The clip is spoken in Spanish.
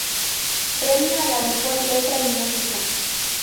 Premio a la mejor letra y música.